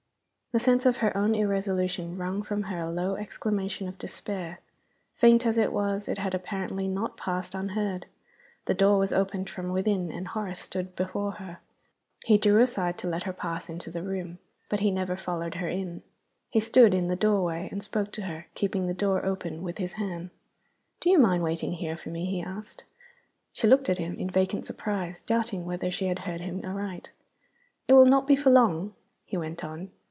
The sense of her own irresolution wrung from her a low exclamation of despair. Faint as it was, it had apparently not passed unheard. The door was opened from within and Horace stood before her. He drew aside to let her pass into the room. But he never followed her in. He stood in the doorway, and spoke to her, keeping the door open with his hand. "Do you mind waiting here for me?" he asked. She looked at him, in vacant surprise, doubting whether she had heard him aright. "It will not be for long," he went on.